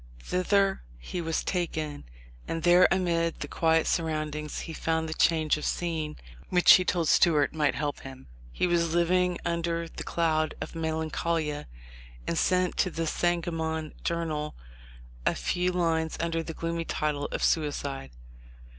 Thither he was taken, and there amid the quiet surroundings he found the "change of scene" which he told Stuart might help him. He was living under the cloud of melancholia, and sent to the Sangamon Journal a few lines under the gloomy title of "Sui cide."